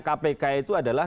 levelnya kpk itu adalah